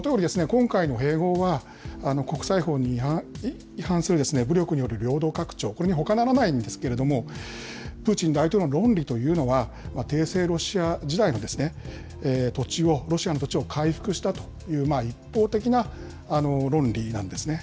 今回の併合は、国際法に違反する武力による領土拡張、これにほかならないんですけれども、プーチン大統領の論理というのは、帝政ロシア時代の土地を、ロシアの土地を回復したという、一方的な論理なんですね。